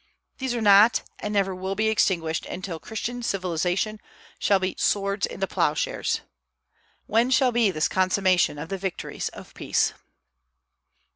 These are not and never will be extinguished until Christian civilization shall beat swords into ploughshares. When shall be this consummation of the victories of peace?